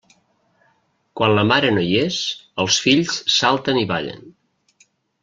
Quan la mare no hi és, els fills salten i ballen.